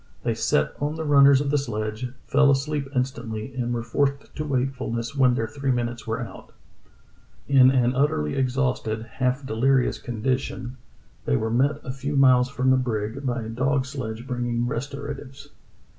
They sat on the runners of the sledge, fell asleep instantly, and were forced to wakefulness when their three minutes were out." In an utterly exhausted, half delirious condition, I04 True Tales of Arctic Heroism they were met a few miles from the brig by a dog sledge bringing restoratives.